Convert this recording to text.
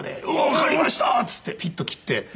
「わかりました」って言ってピッと切って。